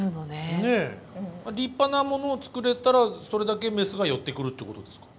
立派なものを作れたらそれだけメスが寄ってくるっていうことですか？